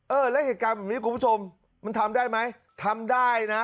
เออแล้วเหตุการณ์แบบนี้คุณผู้ชมมันทำได้ไหมทำได้นะ